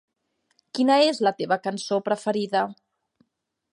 Quina és la teva cançó preferida?